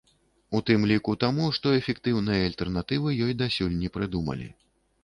У тым ліку таму, што эфектыўнай альтэрнатывы ёй дасюль не прыдумалі.